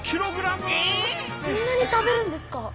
そんなに食べるんですか。